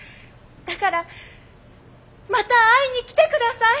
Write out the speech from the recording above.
だからまた会いに来て下さい。